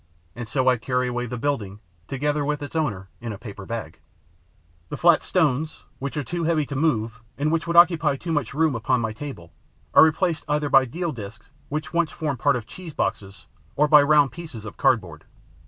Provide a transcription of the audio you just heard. And so I carry away the building, together with its owner, in a paper bag. The flat stones, which are too heavy to move and which would occupy too much room upon my table, are replaced either by deal disks, which once formed part of cheese boxes, or by round pieces of cardboard.